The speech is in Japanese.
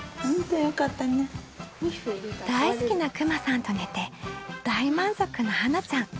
大好きなクマさんと寝て大満足の芭那ちゃん。